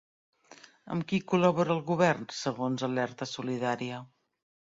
Amb qui col·labora el govern segons Alerta Solidària?